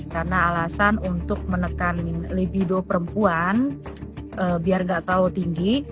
karena alasan untuk menekan libido perempuan biar tidak terlalu tinggi